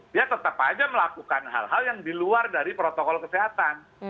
dia tetap saja melakukan hal hal yang diluar dari protokol kesehatan